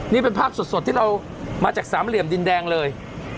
นี่เป็นภาพสดที่เรามาจากสามเหลี่ยมดินแดงเลย